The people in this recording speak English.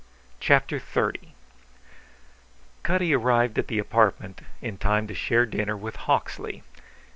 CHAPTER XXX Cutty arrived at the apartment in time to share dinner with Hawksley.